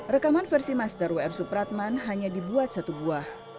rekaman versi master wr supratman hanya dibuat satu buah